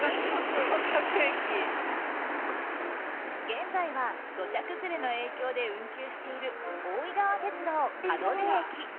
現在は土砂崩れの影響で運休している大井川鐵道門出駅。